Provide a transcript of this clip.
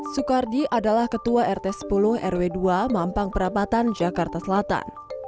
soekardi adalah ketua rt sepuluh rw dua mampang perapatan jakarta selatan